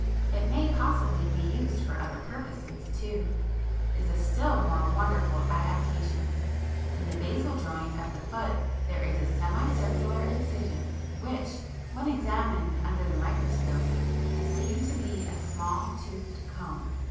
] (it may possibly be used for other purposes too) is a still more wonderful adaptation; in the basal joint of the foot there is a semicircular incision, which, when examined under the microscope, is seen to be a small toothed comb.